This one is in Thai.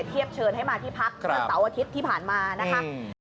เทียบเชิญให้มาที่พักเต๋าอาทิตย์ที่ผ่านมานะครับ